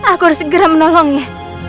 aku harus segera menolongnya